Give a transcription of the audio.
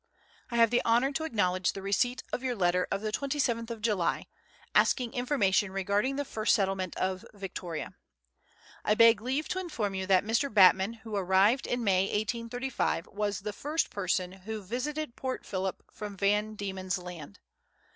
I have the honour to acknowledge the receipt of your letter of the 27th of July, asking information regarding the first settle ment of Victoria. I beg leave to inform you that Mr. Batman, who arrived in May 1835, was the first person who visited Port Phillip from Van Diemen's Land.